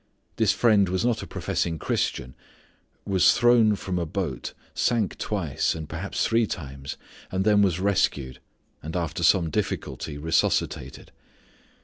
This friend was not a professing Christian, was thrown from a boat, sank twice and perhaps three times, and then was rescued, and after some difficulty resuscitated.